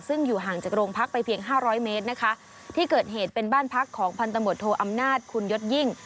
ซึ่งอยู่ห่างจากโรงพักไปเพียงห้าร้อยเมตรนะคะที่เกิดเหตุเป็นบ้านพักของพันธมตโทอำนาจคุณยศยิ่ง